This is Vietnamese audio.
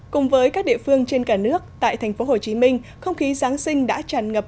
cùng với các địa phương trên cả nước tại thành phố hồ chí minh không khí giáng sinh đã tràn ngập